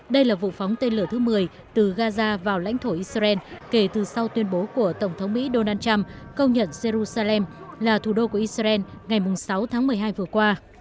đây là vụ phóng tên lửa thứ một mươi từ gaza vào lãnh thổ israel kể từ sau tuyên bố của tổng thống mỹ donald trump công nhận jerusalem là thủ đô của israel ngày sáu tháng một mươi hai vừa qua